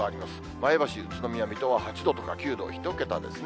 前橋、宇都宮、水戸は８度から９度、１桁ですね。